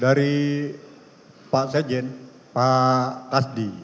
dari pak sejen pak kasdi